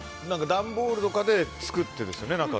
段ボールとかで作ってですよね。